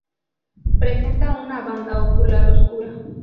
Presenta una banda ocular oscura.